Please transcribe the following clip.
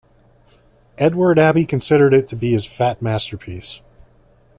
Edward Abbey considered it to be his fat masterpiece.